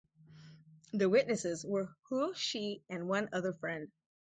The witnesses were Hu Shi and one other friend.